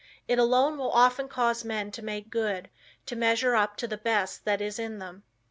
It alone will often cause men to make good; to measure up to the best that is in them.